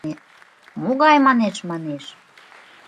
— Могай манеш-манеш?